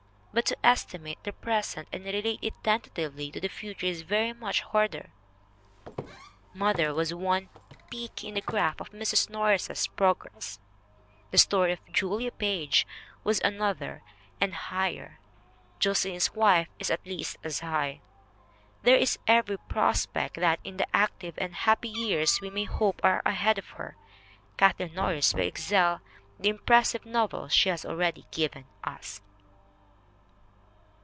But to estimate the present and relate it tentatively to the future is very much harder. Mother was one "peak" in the graph of Mrs. Morris's progress, The Story of Julia Page was another and a higher, Josselyn's Wife is at least as high. There is every prospect that in the active and happy years we may hope are ahead of her, Kathleen Norris will excel the impressive novels she has already given us.